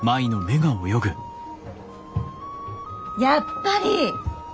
やっぱり！